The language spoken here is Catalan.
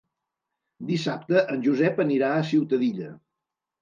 Dissabte en Josep anirà a Ciutadilla.